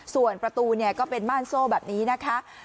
ส่วนประตูก็เป็นม่านโซ่แบบนี้นะคะ